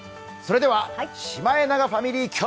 それではシマエナガファミリー